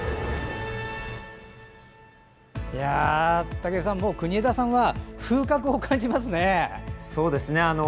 武井さん国枝さんは風格を感じますね。